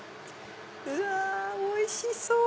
うわおいしそう！